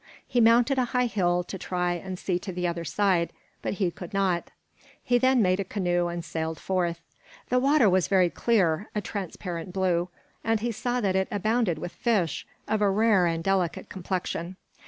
He mounted a high hill to try and see to the other side, but he could not. He then made a canoe and sailed forth. The water was very clear a transparent blue and he saw that it abounded with fish of a rare and delicate complexion.